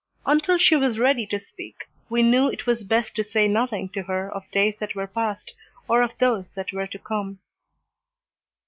Until she was ready to speak we knew it was best to say nothing to her of days that were past, or of those that were to come.